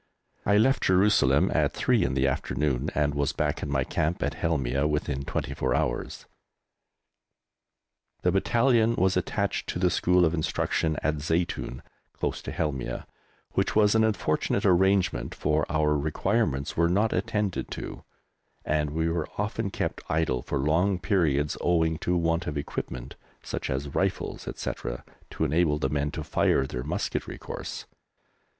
I left Jerusalem at three in the afternoon and was back in my camp at Helmieh within twenty four hours. [Illustration: JERUSALEM] The Battalion was attached to the School of Instruction at Zeitoun (close to Helmieh), which was an unfortunate arrangement, for our requirements were not attended to, and we were often kept idle for long periods owing to want of equipment, such as rifles, etc., to enable the men to fire their musketry course.